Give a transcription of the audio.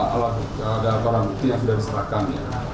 ada para bukti yang sudah diserahkan